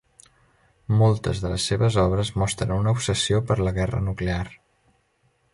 Moltes de les seves obres mostren una obsessió per la guerra nuclear.